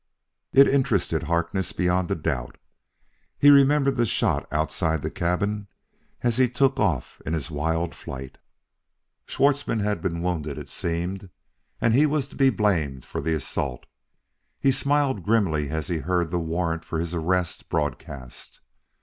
It interested Harkness, beyond a doubt. He remembered the shot outside the cabin as he took off in his wild flight. Schwartzmann had been wounded, it seemed, and he was to be blamed for the assault. He smiled grimly as he heard the warrant for his arrest broadcast.